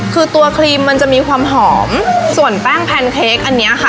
คือตัวครีมมันจะมีความหอมส่วนแป้งแพนเค้กอันนี้ค่ะ